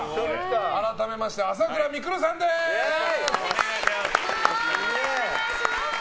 改めまして朝倉未来さんです。